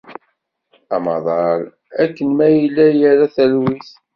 Amaḍal akken ma yella ira talwit.